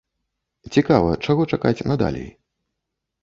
Цікава, чаго чакаць надалей.